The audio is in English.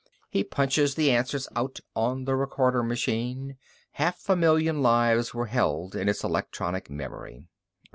He punches the answers out on the recorder machine, half a million lives were held in its electronic memory.